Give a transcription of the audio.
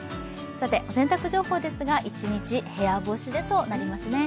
洗濯情報ですが一日部屋干しでとなりますね。